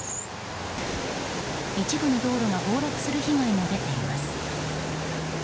一部の道路が崩落する被害も出ています。